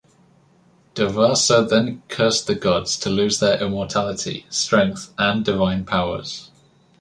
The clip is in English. Durvasa then cursed the gods to lose their immortality, strength, and divine powers.